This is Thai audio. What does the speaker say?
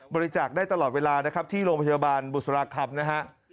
บริจาคได้ตลอดเวลาที่โรงพยาบาลบุษลาคทรัพย์